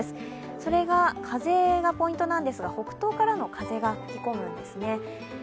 それが風がポイントなんですが、北東からの風が吹き込むんですね。